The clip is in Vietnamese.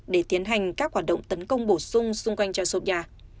để tiến hành các hoạt động tấn công bổ sung xung quanh jasobia